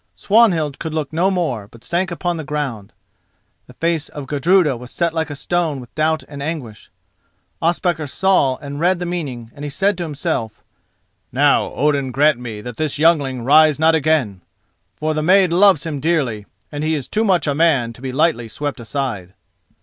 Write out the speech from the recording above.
Swanhild could look no more, but sank upon the ground. The face of Gudruda was set like a stone with doubt and anguish. Ospakar saw and read the meaning, and he said to himself: "Now Odin grant that this youngling rise not again! for the maid loves him dearly, and he is too much a man to be lightly swept aside."